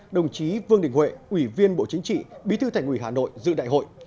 đồng chí vương đình huệ ủy viên bộ chính trị bí thư thành ủy hà nội dự đại hội